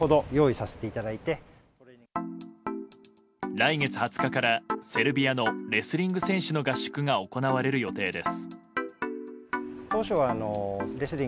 来月２０日からセルビアのレスリング選手の合宿が行われる予定です。